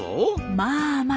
まあまあ。